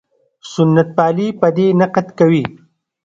سنت پالي په دې نقد کوي.